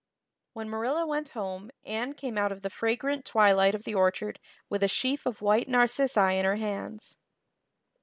When Marilla went home Anne came out of the fragrant twilight of the orchard with a sheaf of white narcissi in her hands.